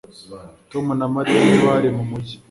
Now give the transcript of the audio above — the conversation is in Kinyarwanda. Tom na Mariya ntibari mu mujyi